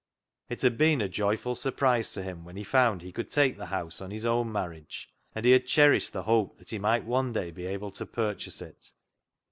It had been a joyful surprise to him when he found he could take the house on his own marriage, and he had cherished the hope that he might one day be able to purchase it.